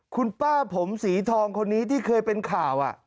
คุณป้าผมสีทองคนนี้ที่เคยเป็นข่าว